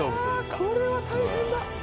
これは大変だ。